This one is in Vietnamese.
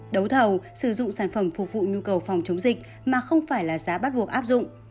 đấu thầu sử dụng sản phẩm phục vụ nhu cầu phòng chống dịch mà không phải là giá bắt buộc áp dụng